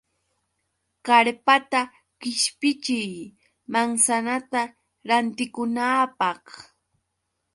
Karpata qishpichiy manzanata rantikunaapaq.